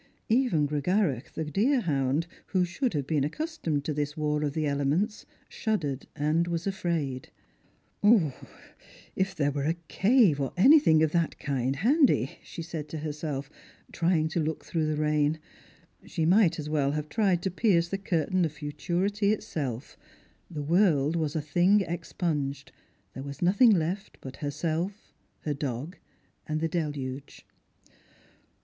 Even Gregarach, the deerhound, who sliould have been accus tomed to this war of the elements, shuddered and was afrrjd. 804 Strangeri and Pilgrims. " If there were a cave, or anything of that kind, handy," she eaid to herself, trying to look throtigh the rain. She might aa Tvell have tried to pierce the curtain of futurity itself. The world was a thing expunged ; there was nothing left but herself, her dog, and the deluge.